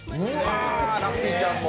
ラッピーちゃんも。